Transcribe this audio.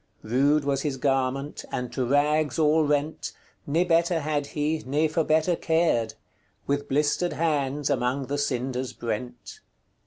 Rude was his garment, and to rags all rent, Ne better had he, ne for better cared; With blistered hands among the cinders brent."